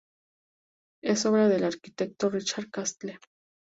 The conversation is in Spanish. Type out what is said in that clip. Es obra del arquitecto Richard Castle.